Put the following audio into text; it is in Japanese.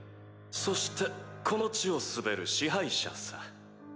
そしてこの地を統べる支配者さ。